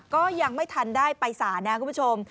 ก็ยังไม่ทันได้ไปสารนะคุณผู้ชม